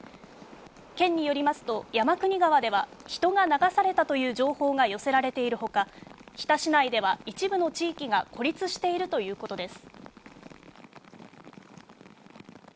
県によりますと、山国川では、人が流されたという情報が寄せられている他、日田市内では一部の地域が孤立しているということです。